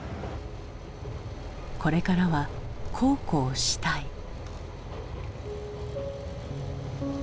これからは孝行したい。